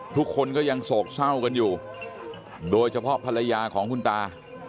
ทุกคนก็ยังโศกเศร้ากันอยู่โดยเฉพาะภรรยาของคุณตา